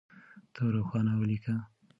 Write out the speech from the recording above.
ته روښانه وليکه.